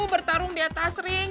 bertarung di atas ring